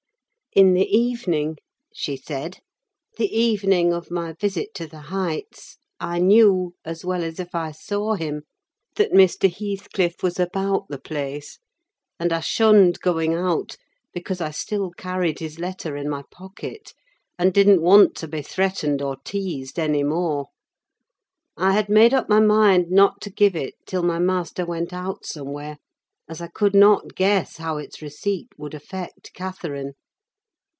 In the evening, she said, the evening of my visit to the Heights, I knew, as well as if I saw him, that Mr. Heathcliff was about the place; and I shunned going out, because I still carried his letter in my pocket, and didn't want to be threatened or teased any more. I had made up my mind not to give it till my master went somewhere, as I could not guess how its receipt would affect Catherine.